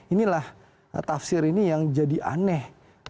inilah tafsir ini yang jadi aneh